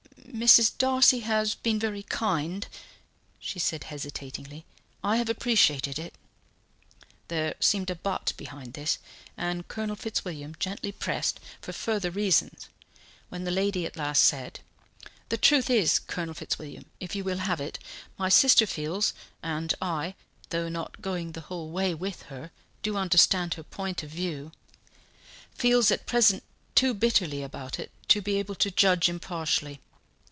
"Mrs. Darcy has been very kind," she said hesitatingly. "I have appreciated it." There seemed a "but" behind this, and Colonel Fitzwilliam gently pressed for further reasons, when the lady at last said: "The truth is, Colonel Fitzwilliam, if you will have it, my sister feels and I, though not going the whole way with her, do understand her point of view feels at present too bitterly about it to be able to judge impartially.